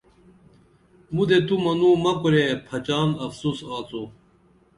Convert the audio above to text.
مُدے تو منوں مہ کُرے پھچان افسوس آڅو